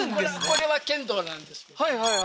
これは県道なんですはい